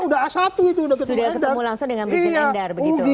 sudah ketemu langsung dengan bitin endar begitu